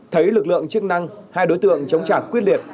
thấy lực lượng chức năng hai đối tượng chống trả quyết liệt